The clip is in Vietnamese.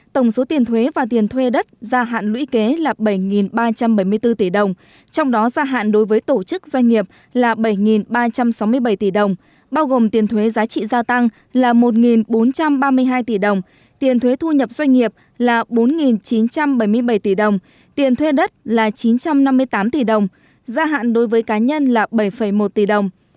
tổng số tiền thuế và tiền thuê đất gia hạn lũy kế là bảy ba trăm bảy mươi bốn tỷ đồng trong đó gia hạn đối với tổ chức doanh nghiệp là bảy ba trăm sáu mươi bảy tỷ đồng bao gồm tiền thuế giá trị gia tăng là một bốn trăm ba mươi hai tỷ đồng tiền thuế thu nhập doanh nghiệp là bốn chín trăm bảy mươi bảy tỷ đồng tiền thuê đất là chín trăm năm mươi tám tỷ đồng gia hạn đối với cá nhân là bảy một tỷ đồng